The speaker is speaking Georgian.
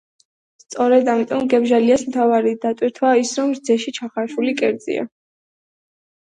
სწორედ, ამიტომ გებჟალიას მთავარი დატვირთვაა ის, რომ რძეში ჩახარშული კერძია.